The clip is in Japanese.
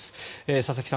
佐々木さん